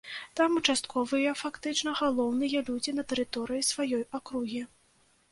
Там участковыя фактычна галоўныя людзі на тэрыторыі сваёй акругі.